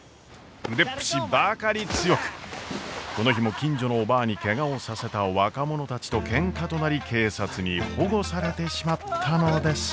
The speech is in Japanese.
腕っぷしばかり強くこの日も近所のおばぁにケガをさせた若者たちとケンカとなり警察に保護されてしまったのです。